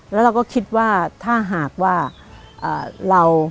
แล้วเราก็คิดว่าถ้าหากว่าเรา